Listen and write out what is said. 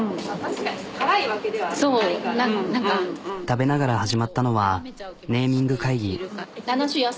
食べながら始まったのはネーミング会議。